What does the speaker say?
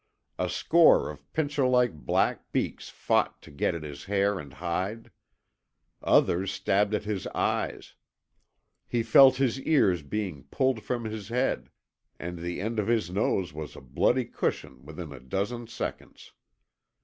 A score of pincer like black beaks fought to get at his hair and hide; others stabbed at his eyes; he felt his ears being pulled from his head, and the end of his nose was a bloody cushion within a dozen seconds.